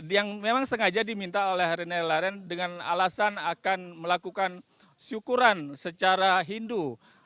yang memang sengaja diminta oleh rene larren dengan alasan akan melakukan syukuran secara hindu